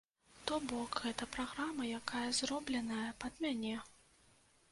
То бок, гэта праграма, якая зробленая пад мяне.